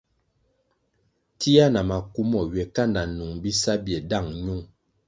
Tia na maku mo ywe kanda nung bisa bie dáng ñung.